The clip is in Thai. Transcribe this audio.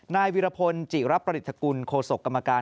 นายวิรพลจิรับประดิษฐกุลโคศกกรรมการ